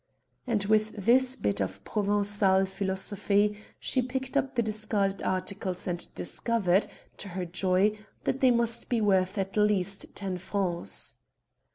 And with this bit of Provençal philosophy she picked up the discarded articles and discovered, to her joy, that they must be worth at least ten francs.